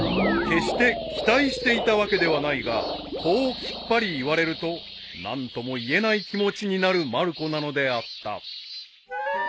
［決して期待していたわけではないがこうきっぱり言われると何とも言えない気持ちになるまる子なのであった］